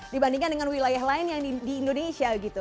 dibandingkan dengan wilayah lain yang di indonesia gitu